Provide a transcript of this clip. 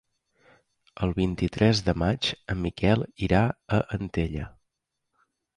El vint-i-tres de maig en Miquel irà a Antella.